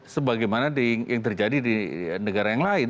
sebagaimana yang terjadi di negara yang lain